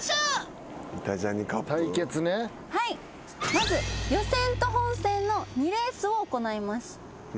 まず予選と本戦の２レースを行います。